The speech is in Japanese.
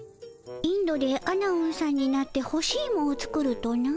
インドでアナウンさんになってほしいもを作るとな？